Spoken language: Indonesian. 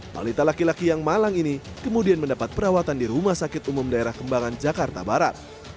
balita laki laki yang malang ini kemudian mendapat perawatan di rumah sakit umum daerah kembangan jakarta barat